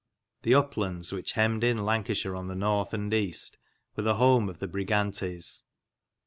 The uplands which hemmed in Lancashire on the north and east were the home of the Brigantes.